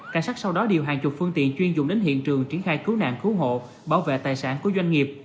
cảnh sát sau đó điều hàng chục phương tiện chuyên dụng đến hiện trường triển khai cứu nạn cứu hộ bảo vệ tài sản của doanh nghiệp